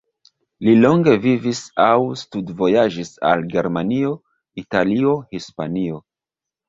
Li longe vivis aŭ studvojaĝis al Germanio, Italio, Hispanio.